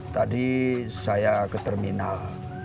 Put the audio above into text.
tadi saya ke terminal